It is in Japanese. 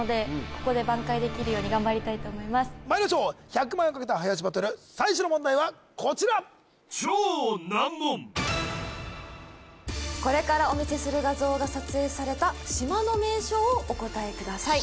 ここでまいりましょう１００万円をかけた早押しバトル最初の問題はこちらこれからお見せする画像が撮影された島の名称をお答えください